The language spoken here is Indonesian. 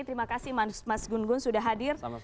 terima kasih mas gun gun sudah hadir